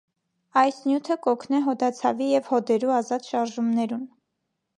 Այս նիւթը կ՛օգնէ յօդացաւի եւ յօդերու ազատ շարժումներուն։